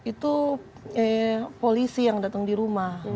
itu polisi yang datang di rumah